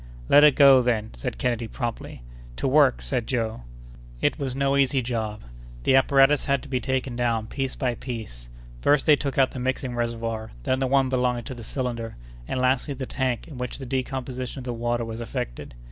"Let it go, then!" said Kennedy, promptly. "To work!" said Joe. It was no easy job. The apparatus had to be taken down piece by piece. First, they took out the mixing reservoir, then the one belonging to the cylinder, and lastly the tank in which the decomposition of the water was effected.